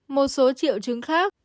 một số triệu chứng khác